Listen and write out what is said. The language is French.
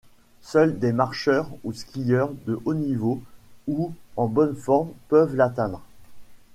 Seuls des marcheurs ou skieurs de haut niveau ou en bonne forme peuvent l'atteindre.